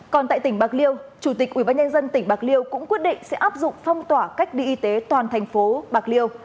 còn tại tỉnh bạc liêu chủ tịch ubnd tỉnh bạc liêu cũng quyết định sẽ áp dụng phong tỏa cách đi y tế toàn thành phố bạc liêu